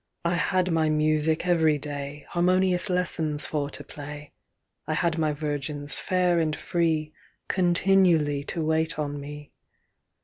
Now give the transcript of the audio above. XXI'I had my music every day, Harmonious lessons for to play;I had my virgins fair and freeContinually to wait on me.